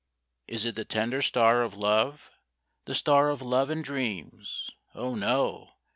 Is it the tender star of love? The star of love and dreams? Oh, no!